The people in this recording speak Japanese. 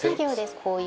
こういう。